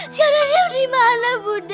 sekarang dia dimana budi